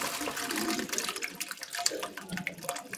Matumizi tofauti tofautiya viazi lishe